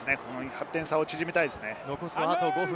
８点差を縮めたいですよね。